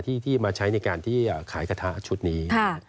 ที่มาใช้ในการที่ขายกระทะชุดนี้